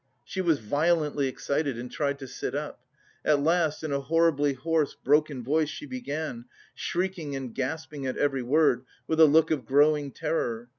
She was violently excited and tried to sit up. At last, in a horribly hoarse, broken voice, she began, shrieking and gasping at every word, with a look of growing terror.